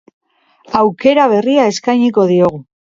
Aukera berria eskainiko diogu.